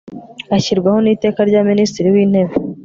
ashyirwaho n Iteka rya Minisitiri w Intebe